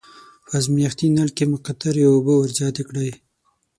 په ازمایښتي نل کې مقطرې اوبه ور زیاتې کړئ.